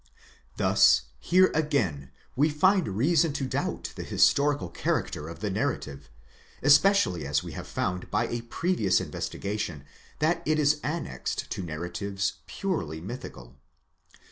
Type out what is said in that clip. Thus here again we find reason to doubt the historical character of the narrative, especially as we have found by a previous investigation that it is. annexed to narratives purely mythical.